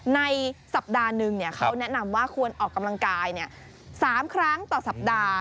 ในสัปดาห์นึงเขาแนะนำว่าควรออกกำลังกาย๓ครั้งต่อสัปดาห์